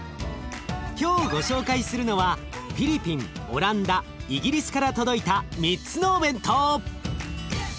今日ご紹介するのはフィリピンオランダイギリスから届いた３つのお弁当！